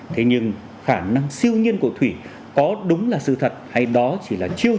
thế nhưng khả năng siêu nhiên của thủy có đúng là sự thật hay đó chỉ là truyền thông